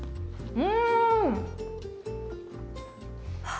うん！